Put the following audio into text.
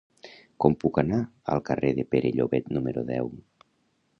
Com puc anar al carrer de Pere Llobet número deu?